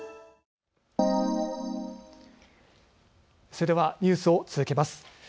それではニュースを続けます。